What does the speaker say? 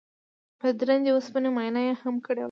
د درندې وسپنې معاینه یې هم کړې وه